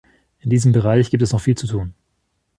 In diesem Bereich gibt es noch viel zu tun.